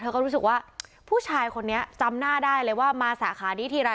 ก็รู้สึกว่าผู้ชายคนนี้จำหน้าได้เลยว่ามาสาขานี้ทีไร